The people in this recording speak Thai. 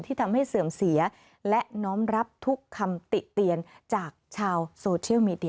ทำให้เสื่อมเสียและน้อมรับทุกคำติเตียนจากชาวโซเชียลมีเดีย